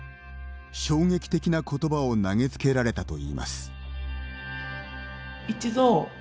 衝撃的な言葉を投げつけられたといいます。